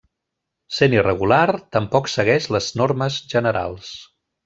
Sent irregular, tampoc segueix les normes generals.